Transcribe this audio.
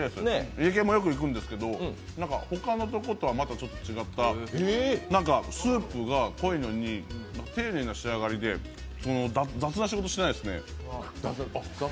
家系にもよく行くんですけど他のところとはまたちょっと違ったスープが濃いのに丁寧な仕上がりで雑な仕事してないですね。